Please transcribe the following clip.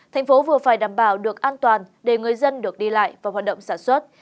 tp hcm vừa phải đảm bảo được an toàn để người dân được đi lại vào hoạt động sản xuất